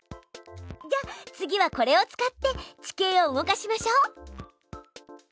じゃあ次はこれを使って地形を動かしましょう。